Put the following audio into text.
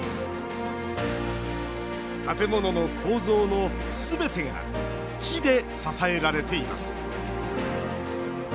建物の構造のすべてが木で支えられています。